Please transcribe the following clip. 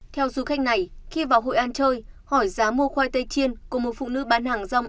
theo du khách này khi vào hội an chơi hỏi giá mua khoai tây chiên của một phụ nữ bán hàng rong